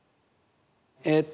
えっと